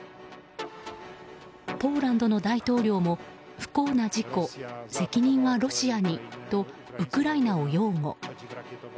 ポーランドの大統領も不幸な事故、責任はロシアにとウクライナを擁護。